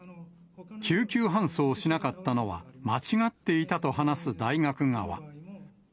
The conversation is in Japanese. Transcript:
救急搬送しなかったのは、間違っていたと話す大学側。